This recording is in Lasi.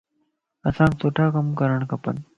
اسانک سٺا ڪم ڪرڻ کپن.